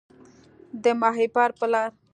د ماهیپر په لار